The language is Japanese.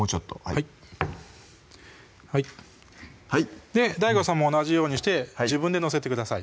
はいＤＡＩＧＯさんも同じようにして自分で載せてください